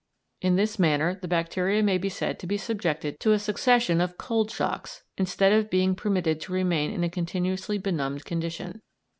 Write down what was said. In this manner the bacteria may be said to be subjected to a succession of cold shocks, instead of being permitted to remain in a continuously benumbed condition.